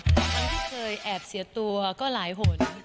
ที่เคยแอบเสียตัวก็หลายห่วง